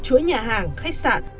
chuỗi nhà hàng khách sạn